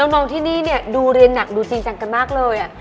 น้องที่นี่เนี่ยดูเรียนหนักดูจริงจังกันมากเลย